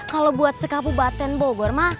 kalau buat sekapu baten bogorma